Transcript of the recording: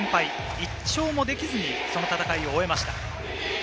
１勝もできずに、その戦いを終えました。